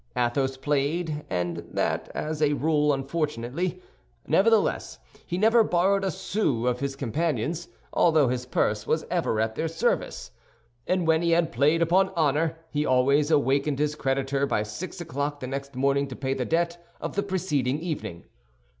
Athos played, and that as a rule unfortunately. Nevertheless, he never borrowed a sou of his companions, although his purse was ever at their service; and when he had played upon honor, he always awakened his creditor by six o'clock the next morning to pay the debt of the preceding evening.